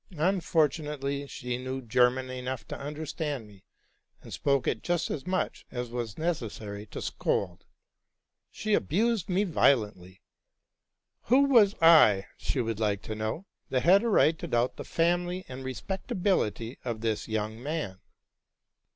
Unfortu nately, she knew German enough to understand me, and spoke it just as much as was necessary to scold. She abused me violently. Who was I, she would like to know, that had : right to doubt the family and respectability of this young man?